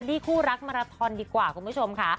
ที่คู่รักมาราทอนดีกว่าคุณผู้ชมค่ะ